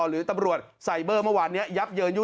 หรือตำรวจไซเบอร์เมื่อวานเนี่ย